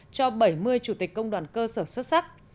cho bảy mươi chủ tịch công đoàn cơ sở xuất sắc